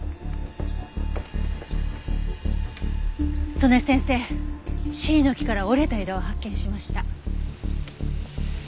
曽根先生シイの木から折れた枝を発見しました。